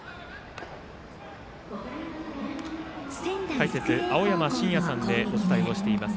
解説、青山眞也さんでお伝えしています。